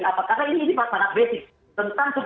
bapak kata lagi di uu tiga puluh empat